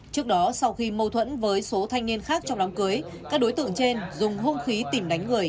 trước đó sau khi mâu thuẫn với số thanh niên khác trong đám cưới các đối tượng trên dùng hôn khí tìm đánh người